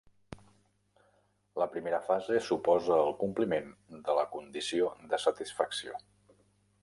La primera fase suposa el compliment de la "condició de satisfacció".